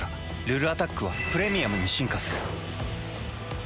「ルルアタック」は「プレミアム」に進化する。